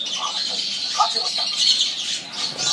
仰叶拟细湿藓为柳叶藓科拟细湿藓下的一个种。